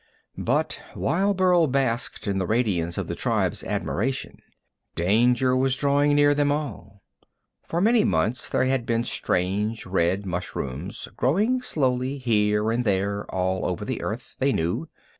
But while Burl basked in the radiance of his tribe's admiration, danger was drawing near them all. For many months there had been strange red mushrooms growing slowly here and there all over the earth, they knew.